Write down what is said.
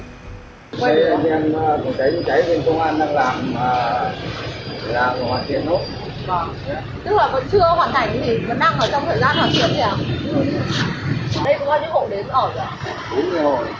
cách đây khoảng một tháng